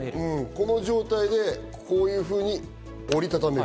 この状態で、こういうふうに折りたためる。